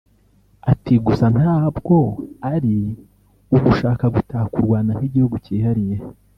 Ati“ Gusa ntabwo ari ugushaka gutaka u Rwanda nk’igihugu cyihariye